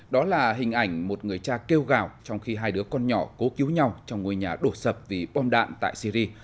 đó là hình ảnh một người cha kêu gào trong khi hai đứa con nhỏ cố cứu nhau trong ngôi nhà đổ sập vì bom đạn tại syri